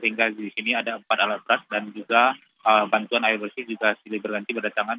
sehingga di sini ada empat alat berat dan juga bantuan air bersih juga silih berganti pada tangan